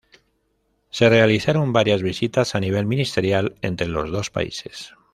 Se realizaron varias visitas a nivel ministerial entre los dos países.